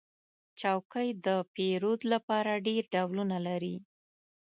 چوکۍ د پیرود لپاره ډېر ډولونه لري.